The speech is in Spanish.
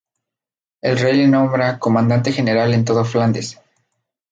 El rey le nombra comandante general en todo Flandes.